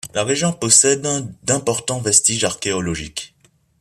La région possède d'importants vestiges archéologiques.